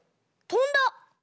とんだ！